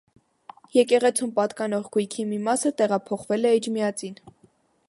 Եկեղեցուն պատկանող գույքի մի մասը տեղափոխվել է էջմիածին։